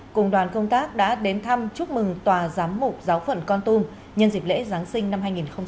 cùng đoàn công tác đã đến thăm chúc mừng tòa giám mục giáo phận con tum nhân dịp lễ giáng sinh năm hai nghìn hai mươi